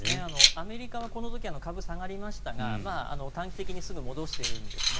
アメリカはこの時、株は下がりましたが短期的にすぐ戻しているんですね。